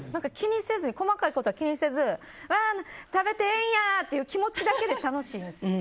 細かいことは気にせずわー、食べてええんやーって気持ちだけで楽しいんです。